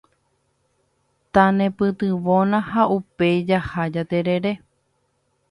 Tanepytyvõna ha upéi jaha jaterere.